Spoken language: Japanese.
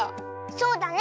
そうだね